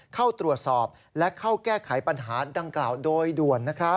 เข้าตรวจสอบและเข้าแก้ไขปัญหาดังกล่าวโดยด่วน